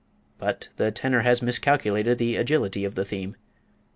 But the tenor has miscalculated the agility of the theme.